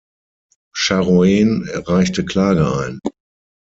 Charoen reichte Klage ein.